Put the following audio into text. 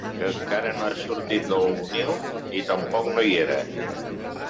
Que encara no ha sortit del niu ni tampoc no hi era.